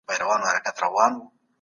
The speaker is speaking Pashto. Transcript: د ميږي په خوله کې ګردۍ پيټی.